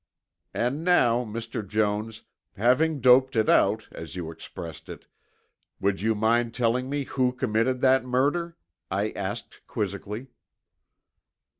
And now, Mr. Jones, having doped it out, as you expressed it, would you mind telling me who committed that murder?" I asked quizzically.